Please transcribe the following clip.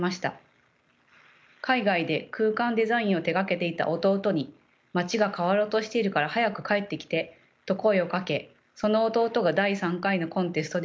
海外で空間デザインを手がけていた弟に「まちが変わろうとしているから早く帰ってきて」と声をかけその弟が第３回のコンテストで受賞。